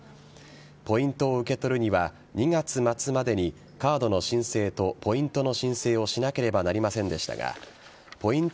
ポイントを受け取るには２月末までにカードの申請とポイントの申請をしなければなりませんでしたがポイント